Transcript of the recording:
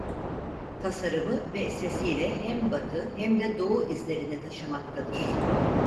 Tasarımı ve sesiyle hem Batı hem de Doğu izlerini taşımaktadır.